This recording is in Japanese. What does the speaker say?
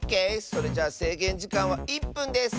それじゃあせいげんじかんは１ぷんです！